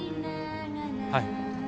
はい。